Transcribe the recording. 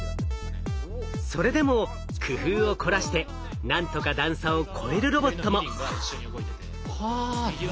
それでも工夫を凝らしてなんとか段差を越えるロボットも。